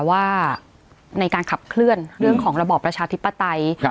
ว่าในการขับเคลื่อนเรื่องของระบอบประชาธิปไตย